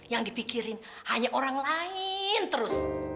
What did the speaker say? yang dipikirin hanya orang lain terus